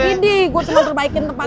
gini gue cuman terbaikin tempat